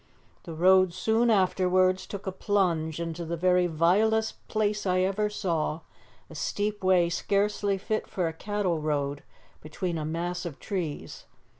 "The road soon afterwards took a plunge into the very vilest place I ever saw a steep way scarcely fit for a cattle road, between a mass of trees.